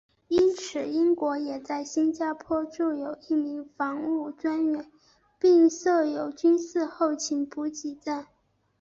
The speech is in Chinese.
因此英国也在新加坡驻有一名防务专员并设有军事后勤补给站。